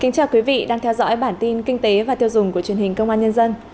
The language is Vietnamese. chào mừng quý vị đến với bản tin kinh tế và tiêu dùng của truyền hình công an nhân dân